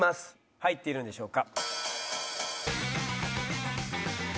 入っているんでしょうか？